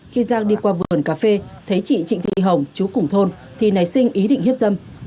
khi giang đi qua vườn cà phê thấy chị trịnh thị hồng chú cùng thôn thì nảy sinh ý định hiếp dâm